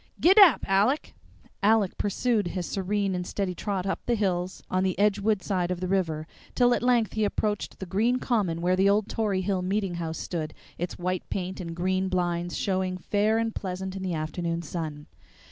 Git dap, Aleck!" Aleck pursued his serene and steady trot up the hills on the Edgewood side of the river, till at length he approached the green Common where the old Tory Hill meeting house stood, its white paint and green blinds showing fair and pleasant in the afternoon sun.